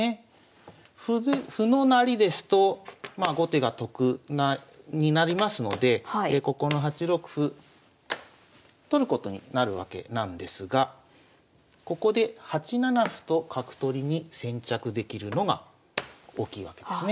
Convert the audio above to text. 歩の成りですとまあ後手が得になりますのでここの８六歩取ることになるわけなんですがここで８七歩と角取りに先着できるのが大きいわけですね。